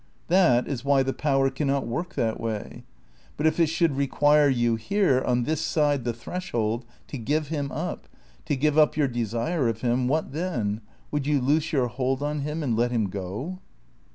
That is why the Power cannot work that way. But if it should require you here, on this side the threshold, to give him up, to give up your desire of him, what then? Would you loose your hold on him and let him go?"